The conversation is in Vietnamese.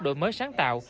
đổi mới sáng tạo